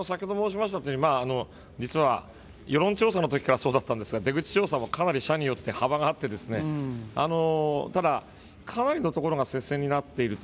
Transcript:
実は世論調査のときからそうだったんですが、出口調査も社によってかなり幅があってただ、かなりのところが接戦になっていると。